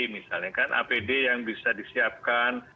misalnya kan apd yang bisa disiapkan